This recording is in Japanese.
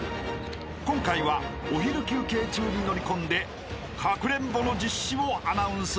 ［今回はお昼休憩中に乗り込んでかくれんぼの実施をアナウンスする］